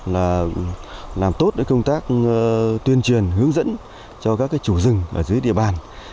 và làm tốt các công tác tuyên truyền hướng dẫn cho các chủ rừng ở dưới địa bàn